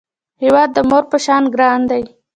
هیواد د مور په شان ګران دی